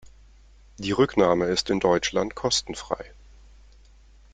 Die Rücknahme ist in Deutschland kostenfrei.